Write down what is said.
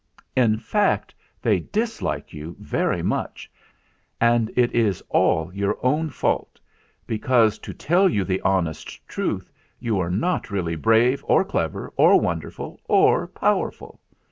In fact, they dislike you very much ; and it is all your own fault, because, to tell you the honest truth, you are not really brave or clever or wonderful or powerful.